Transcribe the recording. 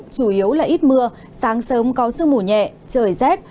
chủ yếu là ít mưa sáng sớm có sương mù nhẹ trời rét